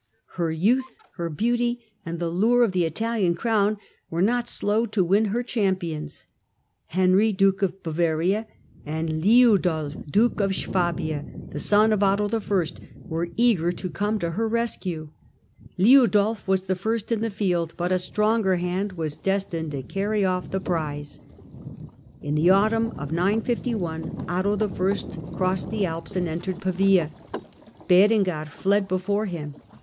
Her youth, her beauty, and the lure of the Italian crown were not slow to win her champions. Henry, Duke of Bavaria, and Liudolf, Duke of Swabia, the son of Otto I., were eager to come to her rescue. Liudolf was the first in the held, but a stronger hand was destined to carry off the prize, otto i.'s In the autumn of 951 Otto I. crossed the Alps and Ex%df ^^^ entered Pavia. Berengar fled before him.